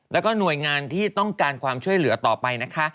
แล้วก็หน่วยงานที่ต้องการความช่วยเหลือต่อไปนะคะ